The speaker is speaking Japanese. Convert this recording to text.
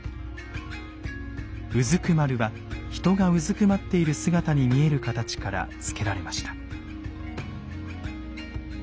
「蹲」は人がうずくまっている姿に見える形から付けられました。